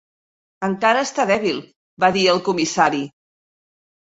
"Encara està dèbil", va dir el comissari.